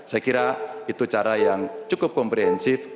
saya kira itu cara yang cukup komprehensif